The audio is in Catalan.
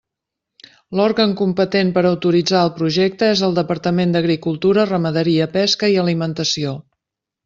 L'òrgan competent per autoritzar el projecte és el Departament d'Agricultura, Ramaderia, Pesca i Alimentació.